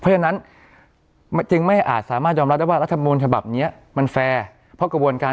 สิทธิตารัสม์นูล๕๐หายไปเพราะว่า